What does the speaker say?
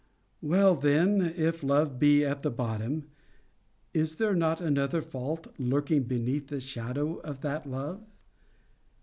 'Well then, if love be at the bottom, is there not another fault lurking beneath the shadow of that love?